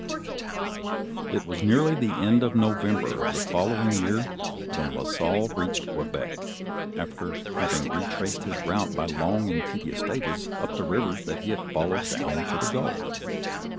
It was nearly the end of November of the following year, when La Salle reached Quebec, after having retraced his route by long and tedious stages up the rivers that he had followed down to the Gulf.